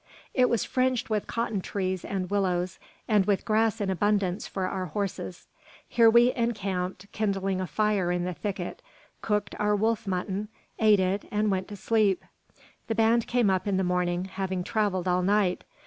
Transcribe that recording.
It was fringed with cotton trees and willows, and with grass in abundance for our horses. Here we encamped, kindled a fire in the thicket, cooked our wolf mutton, ate it, and went to sleep. The band came up in the morning, having travelled all night.